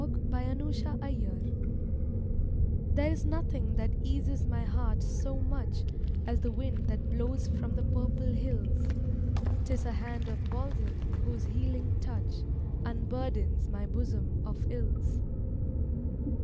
_" EPIPHANY There is nothing that eases my heart so much As the wind that blows from the purple hills; 'Tis a hand of balsam whose healing touch Unburdens my bosom of ills.